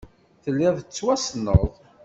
Telliḍ tettwassneḍ